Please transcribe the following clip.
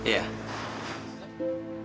oh sign rekan masuk